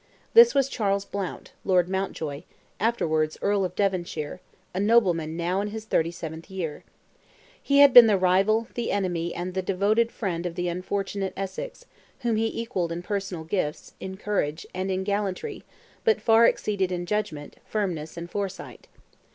This was Charles Blount, Lord Mountjoy, afterwards Earl of Devonshire, a nobleman now in his 37th year. He had been the rival, the enemy, and the devoted friend of the unfortunate Essex, whom he equalled in personal gifts, in courage, and in gallantry, but far exceeded in judgment, firmness, and foresight.